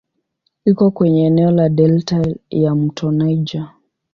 Iko kwenye eneo la delta ya "mto Niger".